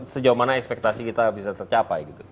sejauh mana ekspektasi kita bisa tercapai gitu